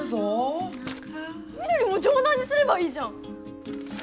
翠も城南にすればいいじゃん。